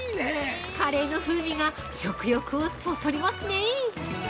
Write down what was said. カレーの風味が食欲をそそりますね。